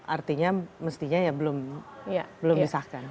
artinya mestinya belum disahkan